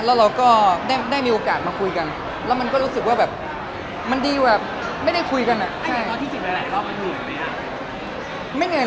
แล้วเราก็ได้มีโอกาสมาคุยกันแล้วมันก็รู้สึกว่าแบบมันดีแบบไม่ได้คุยกันอะ